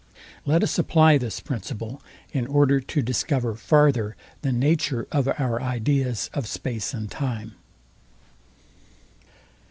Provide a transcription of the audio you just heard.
Let us apply this principle, in order to discover farther the nature of our ideas of space and time.